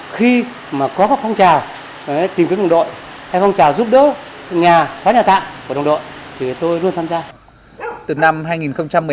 khi mà có phong trào tìm kiếm đồng đội hay phong trào giúp đỡ nhà xóa nhà tạng của đồng đội thì tôi luôn tham gia